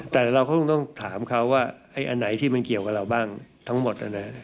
แต่เราก็ต้องถามเขาว่าไอ้อันไหนที่มันเกี่ยวกับเราบ้างทั้งหมด